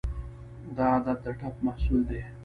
دا عادت د ټپ محصول دی.